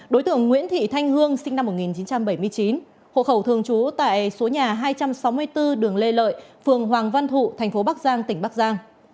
đối tượng nguyễn thị thanh hương sinh năm một nghìn chín trăm bảy mươi chín hộ khẩu thường trú tại số nhà hai trăm sáu mươi bốn đường lê lợi phường hoàng văn thụ thành phố bắc giang tỉnh bắc giang